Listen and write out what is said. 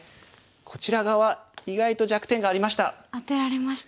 こちら側意外と弱点がありました。